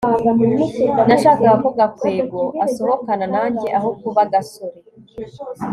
nashakaga ko gakwego asohokana nanjye aho kuba gasore